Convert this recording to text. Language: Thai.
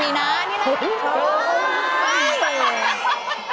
นี่แหละ